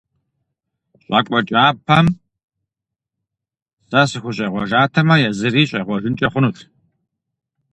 ЩӀакӀуэ кӀапэм сэ сыхущӀегъуэжатэмэ, езыри щӀегъуэжынкӀэ хъунут.